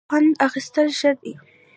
خوند اخیستل ښه دی.